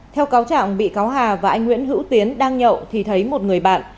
theo cáo trạng bị cáo hà và anh nguyễn hữu tiến đang nhậu thì thấy một người bạn